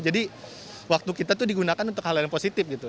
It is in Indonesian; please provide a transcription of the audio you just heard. jadi waktu kita itu digunakan untuk hal yang positif gitu